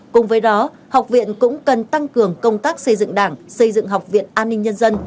cùng với đó học viện cũng cần tăng cường công tác xây dựng đảng xây dựng học viện an ninh nhân dân